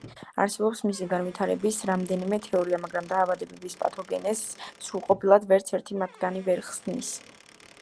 არსებობს მისი განვითარების რამდენიმე თეორია, მაგრამ დაავადებების პათოგენეზს სრულყოფილად ვერც ერთი მათგანი ვერ ხსნის.